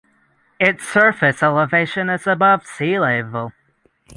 Its surface elevation is above sea level.